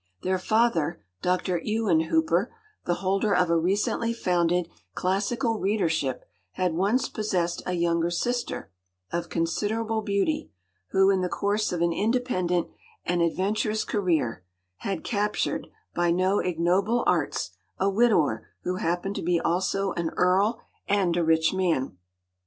Their father, Dr. Ewen Hooper, the holder of a recently founded classical readership, had once possessed a younger sister of considerable beauty, who, in the course of an independent and adventurous career, had captured—by no ignoble arts—a widower, who happened to be also an earl and a rich man.